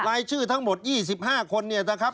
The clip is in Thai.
รายชื่อทั้งหมด๒๕คนนะครับ